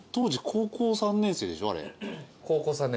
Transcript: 高校３年生。